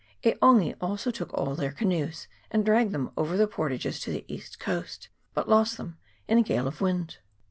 E'Ongi also took all their canoes, and dragged them over the portages to the east coast, but lost them in a gale of wind.